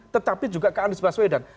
tetapi juga ke anies baswedan